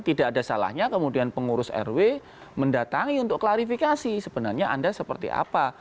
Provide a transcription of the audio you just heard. tidak ada salahnya kemudian pengurus rw mendatangi untuk klarifikasi sebenarnya anda seperti apa